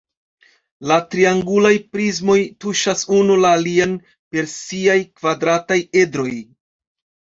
La triangulaj prismoj tuŝas unu la alian per siaj kvadrataj edroj.